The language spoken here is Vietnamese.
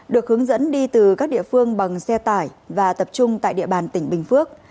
được hướng dẫn đi từ các địa phương bằng xe tải và tập trung tại địa bàn tỉnh bình phước